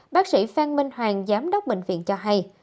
bác sĩ phan minh hoàng giám đốc bệnh viện cho hay